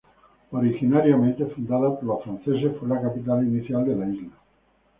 Originariamente fundada por los franceses, fue la capital inicial de la isla.